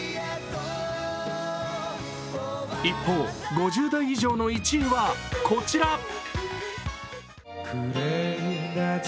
一方、５０代以上の１位は、こちら。